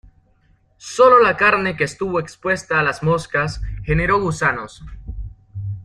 Sólo la carne que estuvo expuesta a las moscas generó gusanos.